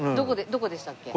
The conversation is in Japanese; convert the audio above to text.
どこでしたっけ？